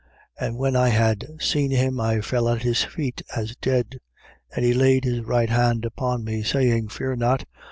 1:17. And when I had seen him, I fell at his feet as dead. And he laid his right hand upon me, saying: Fear not.